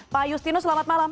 pak yustinus selamat malam